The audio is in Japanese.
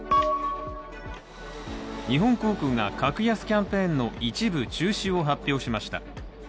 日本航空が格安キャンペーンの一部中止を発表しました。